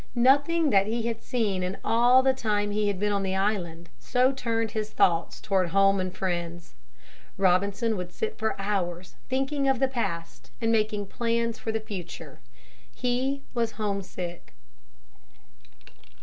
Nothing that he had seen in all the time he had been on the island so turned his thoughts toward home and friends. Robinson would sit for hours thinking of the past and making plans for the future. He was homesick.